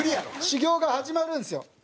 修行が始まるんですよ。